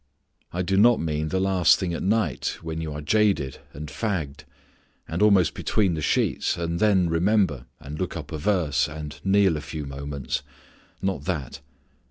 I do not mean the last thing at night when you are jaded and fagged, and almost between the sheets, and then remember and look up a verse and kneel a few moments: not that.